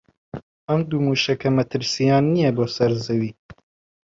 ئەم دوو مووشەکە مەترسییان نییە بۆ سەر زەوی